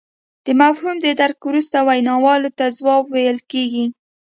د مفهوم د درک وروسته ویناوال ته ځواب ویل کیږي